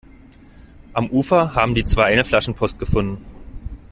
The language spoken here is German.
Am Ufer haben die zwei eine Flaschenpost gefunden.